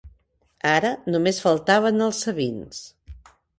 Ara, només faltaven els sabins.